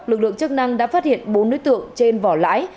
lực lượng chức năng đã phát hiện bốn đối tượng trên vỏ lãi